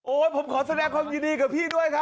โอ้ผมขอแสดงความยินดีกับพี่ด้วยขอโทษ